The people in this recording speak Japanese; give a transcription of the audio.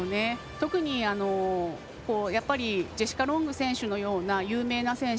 特にジェシカ・ロング選手のような有名な選手